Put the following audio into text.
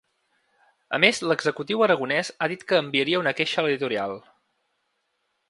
A més, l’executiu aragonès ha dit que enviaria una queixa a l’editorial.